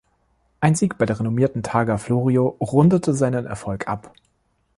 Ein Sieg bei der renommierten Targa Florio rundete seinen Erfolg ab.